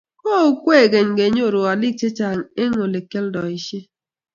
Kou kwekeny kenyoru oliik chechang eng Ole kioldoisie